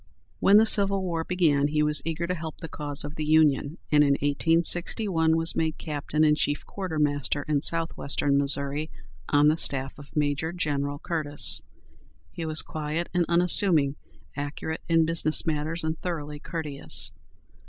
When the Civil War began, he was eager to help the cause of the Union, and in 1861 was made captain and chief quartermaster in south western Missouri, on the staff of Major General Curtis. He was quiet and unassuming, accurate in business matters, and thoroughly courteous.